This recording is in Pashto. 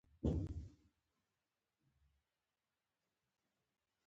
آیا ځوانان هلته وخت نه تیروي؟